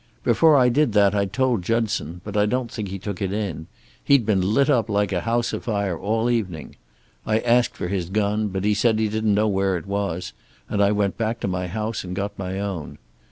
Before I did that I told Judson, but I don't think he took it in. He'd been lit up like a house afire all evening. I asked for his gun, but he said he didn't know where it was, and I went back to my house and got my own.